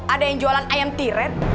ada yang jualan ayam tiren